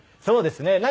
そうですね。